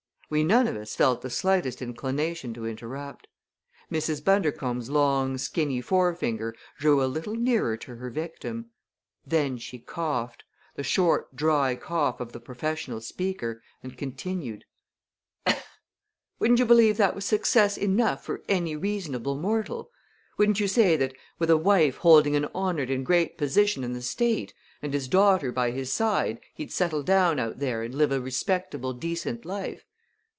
We none of us felt the slightest inclination to interrupt. Mrs. Bundercombe's long, skinny forefinger drew a little nearer to her victim. Then she coughed the short, dry cough of the professional speaker and continued: "Wouldn't you believe that was success enough for any reasonable mortal? Wouldn't you say that, with a wife holding an honored and great position in the State, and his daughter by his side, he'd settle down out there and live a respectable, decent life?